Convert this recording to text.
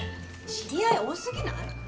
知り合い多すぎない？